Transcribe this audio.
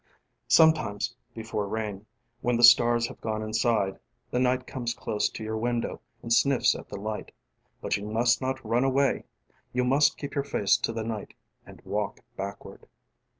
SometimesŌĆ" before rainŌĆ" when the stars have gone insideŌĆ" the night comes close to your window and sniffs at the lightŌĆ". But you must not run awayŌĆö you must keep your face to the night and walk backward.